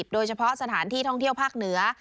โดยเฉพาะสถานที่ท่องเที่ยวภาคเหนือ